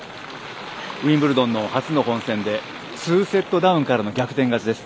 ウィンブルドンの初の本戦で２セットダウンからの逆転勝ちです。